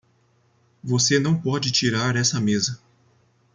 Você não pode tirar essa mesa.